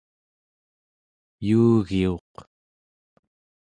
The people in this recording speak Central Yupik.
yuugiuq